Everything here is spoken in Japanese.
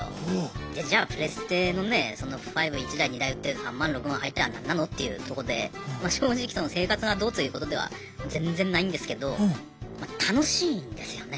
じゃあプレステのねえ５１台２台売って３万６万入った何なの？っていうとこで正直生活がどうということでは全然ないんですけど楽しいんですよね。